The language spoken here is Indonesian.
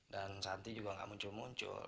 dan santi juga gak muncul muncul